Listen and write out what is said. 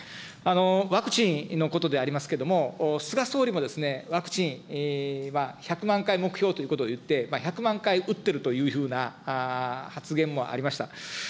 ワクチンのことでありますけども、菅総理もワクチン、１００万回目標ということを言って、１００万回打ってるというふうな発言もありました。